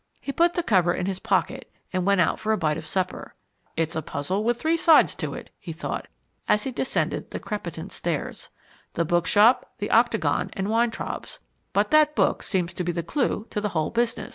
He put the cover in his pocket and went out for a bite of supper. "It's a puzzle with three sides to it," he thought, as he descended the crepitant stairs, "The Bookshop, the Octagon, and Weintraub's; but that book seems to be the clue to the whole business."